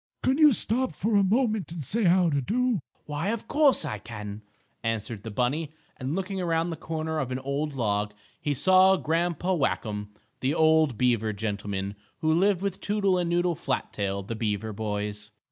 Can't you stop for a moment and say how d' do?" "Why, of course, I can," answered the bunny, and, looking around the corner of an old log, he saw Grandpa Whackum, the old beaver gentleman, who lived with Toodle and Noodle Flat tail, the beaver boys.